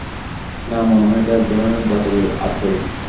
না, মনে হয় এটা একধরনের ধাতবের আকরিক।